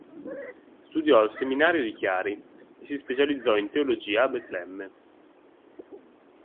Studiò al seminario di Chiari e si specializzò in teologia a Betlemme.